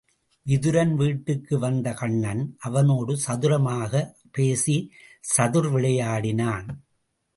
விதுரன் வீட்டுக்கு வந்த கண்ணன் அவனோடு சதுர மாகப் பேசிச் சதிர் விளையாடினான்.